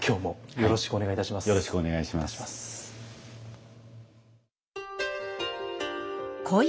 よろしくお願いします。